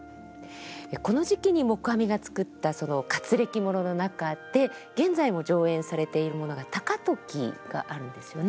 この時期に黙阿弥が作った活歴物の中で現在も上演されているものが「高時」があるんですよね。